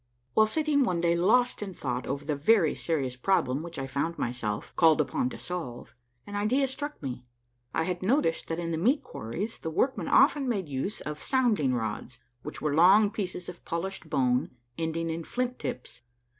While sitting one day lost in thought over the very serious problem which I found myself called upon to solve, an idea struck me : I had noticed that in the meat quarries, the work men often made use of sounding rods, which were long pieces of polished bone, ending in flint tips.